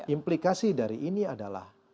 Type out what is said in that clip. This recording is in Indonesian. implikasi dari ini adalah